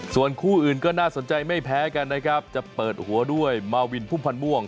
ส่วนคู่อื่นก็น่าสนใจไม่แพ้กันนะครับจะเปิดหัวด้วยมาวินพุ่มพันธ์ม่วง